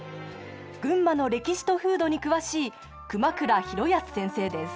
群馬の歴史と風土に詳しい熊倉浩靖先生です。